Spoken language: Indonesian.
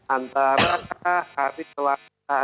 antara hari selanjutnya